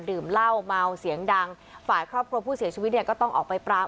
ดื่มเหล้าเมาเสียงดังฝ่ายครอบครัวผู้เสียชีวิตเนี่ยก็ต้องออกไปปราม